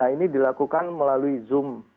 ini dilakukan melalui zoom